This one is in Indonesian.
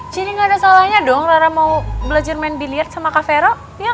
jadi gak ada salahnya dong rara mau belajar main bilir sama kak vero iya kan